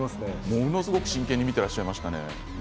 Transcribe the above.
ものすごく真剣に見てらっしゃいましたね。